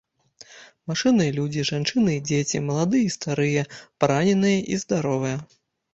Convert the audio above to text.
Машыны і людзі, жанчыны і дзеці, маладыя і старыя, параненыя і здаровыя.